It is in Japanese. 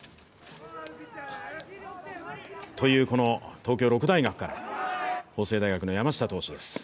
東京六大学から法政大学の山下投手です。